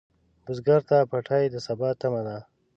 بزګر ته پټی د سبا تمه ده